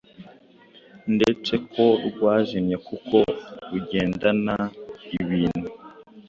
ndetse ko rwazimye kuko rugendana ibintu